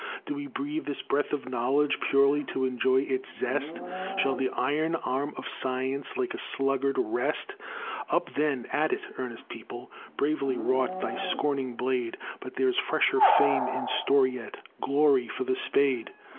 Do we breathe this breath of Knowledge Purely to enjoy its zest? Shall the iron arm of science Like a sluggard rest? Up then, at it! earnest people! Bravely wrought thy scorning blade, But there's fresher fame in store yet, Glory for the spade.